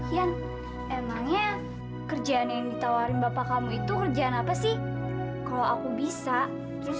yan emangnya kerjaan yang ditawarin bapak kamu itu kerjaan apa sih kalau aku bisa terus